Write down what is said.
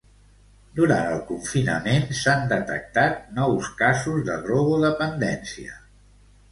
Durant el confinament, s'han detectat nous casos de drogodependència.